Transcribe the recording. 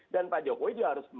dan pak jokowi juga harus